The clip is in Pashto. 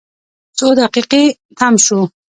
څو دقیقې تم شوو.